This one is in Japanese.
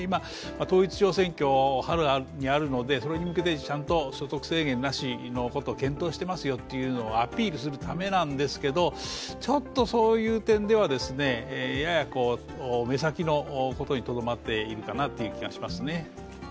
統一地方選挙が春にあるのでそれに向けてちゃんと所得制限なしを検討していますよとアピールするためなんですけど、ちょっとそういう点ではやや目先のことにとどまっているかなという気がしますね。